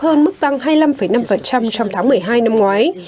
hơn mức tăng hai mươi năm năm trong tháng một mươi hai năm ngoái